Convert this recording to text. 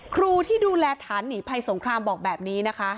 ครูที่ดูแลฐานหนีภัยสงครามบอกแบบนี้นะคะ